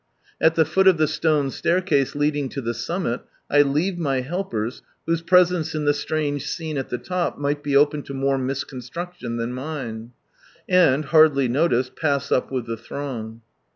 At the foot of the stone staircase leading lo the summit, I leave my helpers, whose presence in the strange scene at the top might be open lo more misconstruc tion than mine ; and, hardly noticed, pass up with the throng.